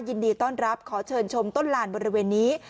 ยินดีต้อนรับขอเชิญชมต้นลานบริเวณนี้